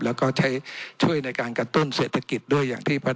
แล้วก็ใช้ช่วยในการกระตุ้นเศรษฐกิจด้วยอย่างที่